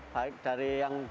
baik dari yang dari jawa tenggara